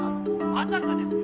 まさかですよ。